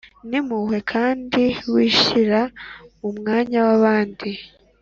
N impuhwe kandi wishyira mu mwanya w abandi